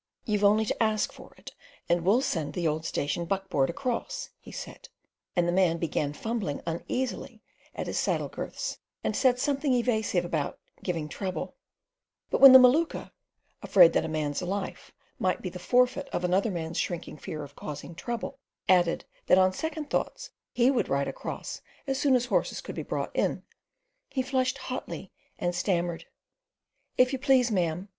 "You've only to ask for it and we'll send the old station buck board across," he said, and the man began fumbling uneasily at his saddle girths, and said something evasive about "giving trouble"; but when the Maluka—afraid that a man's life might be the forfeit of another man's shrinking fear of causing trouble—added that on second thoughts we would ride across as soon as horses could be brought in, he flushed hotly and stammered: "If you please, ma'am.